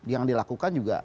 yang dilakukan juga